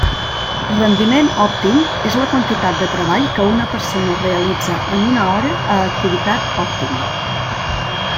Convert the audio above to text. Rendiment òptim és la quantitat de treball que una persona realitza en una hora a activitat òptima.